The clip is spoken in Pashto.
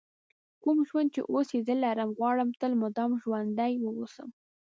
کوم ژوند چې اوس یې زه لرم غواړم تل مدام ژوندی ووسم.